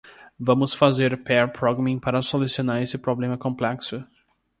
Vamos fazer pair programming para solucionar esse problema complexo.